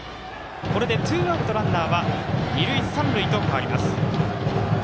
これでツーアウト、ランナーは二塁三塁と変わります。